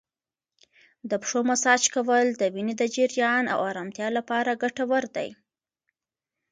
د پښو مساج کول د وینې د جریان او ارامتیا لپاره ګټور دی.